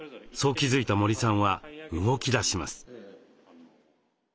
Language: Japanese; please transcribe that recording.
そう気付いた森さんは動きだします。